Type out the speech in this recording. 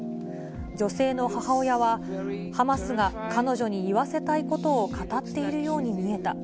女性の母親は、ハマスが彼女に言わせたいことを語っているように見えた。